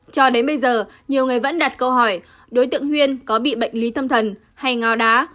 cho đến bây giờ nhiều người vẫn đặt câu hỏi đối tượng huyên có bị bệnh lý tâm thần hay ngó đá